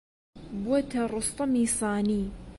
بۆتە ڕۆستەمی سانی